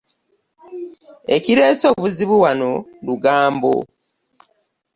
Ekireese obuzibu wano lugambo.